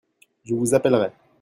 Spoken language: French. Je vous appellerai